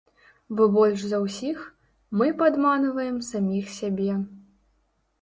Бо больш за ўсіх, мы падманваем саміх сябе.